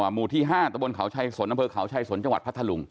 หมู่ที่๕ตะบลเขาชัยสนน้ำเฟิร์ดเขาชัยสนจังหวัดพัทธานลุง